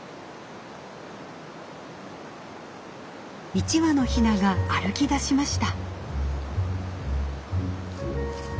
１羽のヒナが歩きだしました。